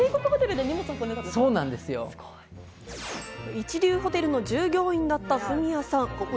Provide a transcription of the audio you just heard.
一流ホテルの従業員だったＦｕｍｉｙａさん。